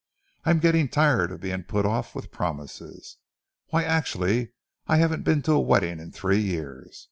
I'm getting tired of being put off with promises. Why, actually, I haven't been to a wedding in three years.